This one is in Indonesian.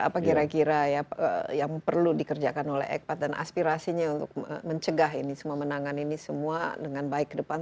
apa kira kira ya yang perlu dikerjakan oleh ekpat dan aspirasinya untuk mencegah ini semua menangan ini semua dengan baik ke depan